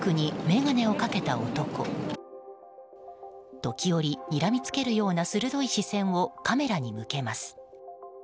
時折、にらみつけるような鋭い視線をカメラに向けます。